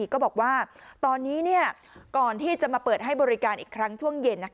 ก็บอกว่าตอนนี้ก่อนที่จะมาเปิดให้บริการอีกครั้งช่วงเย็น